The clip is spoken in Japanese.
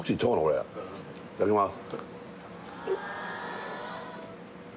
これいただきます